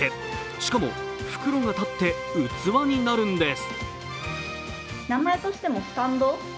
しかも、袋が立って器になるんです